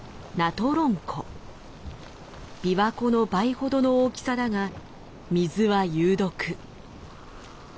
琵琶湖の倍ほどの大きさだが水は有毒。